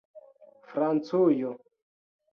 francujo